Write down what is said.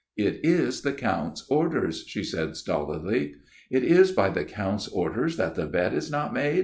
' It is the Count's orders/ she said stolidly. "' It is by the Count's orders that the bed is not made